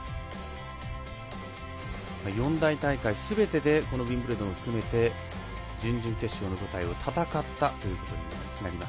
四大大会すべてでこのウィンブルドン含めて準々決勝の舞台を戦ったということになります。